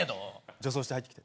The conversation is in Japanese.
女装して入ってきて。